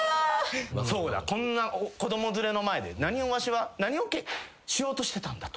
こんな子供連れの前で何をわしはしようとしてたんだとか。